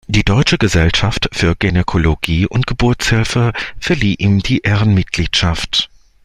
Die Deutsche Gesellschaft für Gynäkologie und Geburtshilfe verlieh ihm die Ehrenmitgliedschaft.